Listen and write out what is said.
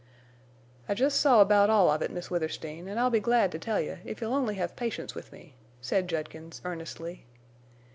"I jest saw about all of it, Miss Withersteen, an' I'll be glad to tell you if you'll only hev patience with me," said Judkins, earnestly.